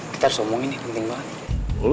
kita harus omongin nih penting banget